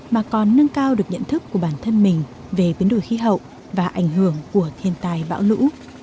mà còn nâng cao được nhận thức của bản thân mình về biến đổi khí hậu và ảnh hưởng của thiên tai bão lũ